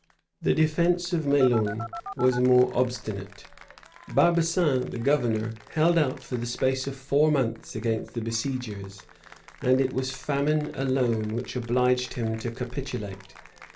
The defence of Melun was more obstinate: Barbasan, the governor, held out for the space of four months against the besiegers; and it was famine alone which obliged him to capitulate.